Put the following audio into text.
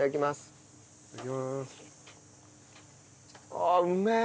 あっうめえ。